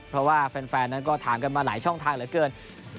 เพราะว่าแฟนนั้นก็ถามกันมาหลายช่องทางเหลือเกิน